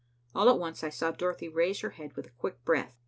All at once I saw Dorothy raise her head with a quick breath.